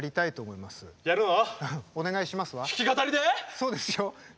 そうですよ。